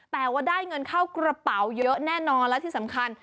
แต่ว่าได้เงินเข้ากระเป๋าเยอะแน่นอนและที่สำคัญ